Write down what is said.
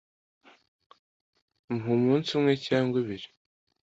Mpa umunsi umwe cyangwa ibiri.